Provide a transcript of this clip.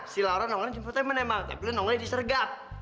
si laura nongol di infotainment emang tapi lo nongolnya di sergap